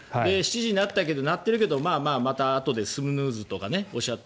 ７時になったけど鳴っているけどまたあとでスヌーズにとか。